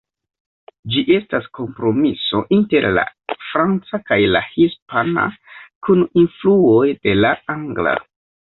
Ĝi estas kompromiso inter la franca kaj la hispana kun influoj de la angla.